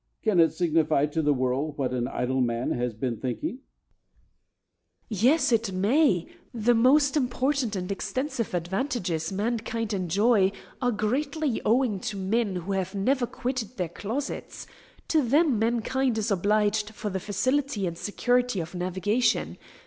Can it signify to the world what an idle man has been thinking? Cadmus. Yes, it may. The most important and extensive advantages mankind enjoy are greatly owing to men who have never quitted their closets. To them mankind is obliged for the facility and security of navigation.